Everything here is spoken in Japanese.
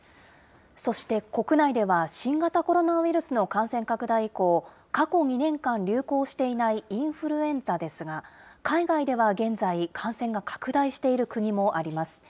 そして国内では、新型コロナウイルスの感染拡大以降、過去２年間、流行していないインフルエンザですが、海外では現在、感染が拡大している国もあります。